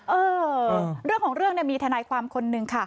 เออเรื่องของเรื่องเนี่ยมีทนายความคนหนึ่งค่ะ